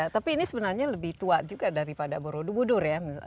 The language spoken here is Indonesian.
tapi ini sebenarnya lebih tua juga daripada borobudur ya